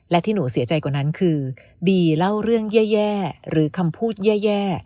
และที่หนูเสียใจกว่านั้นคือบีเล่าเรื่องแย่หรือคำพูดแย่